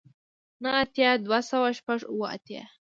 نه اتیای دوه سوه شپږ اوه اتیا